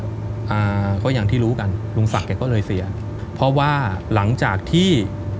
อ่าก็อย่างที่รู้กันลุงศักดิ์ก็เลยเสียเพราะว่าหลังจากที่